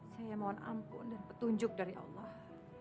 saya mohon ampun dan petunjuk dari allah